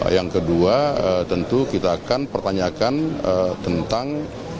yang kedua tentu kita akan pertanyakan tentang